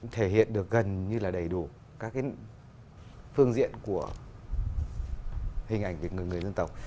thể hiện được gần như là đầy đủ các cái phương diện của hình ảnh của người dân tộc